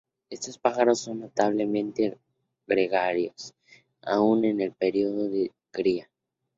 Estos pájaros son notablemente gregarios, aún en período de cría.